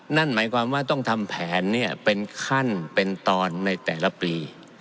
นั่นหมายความว่าต้องทำแผนเป็นขั้นเป็นตอนในแต่ละปี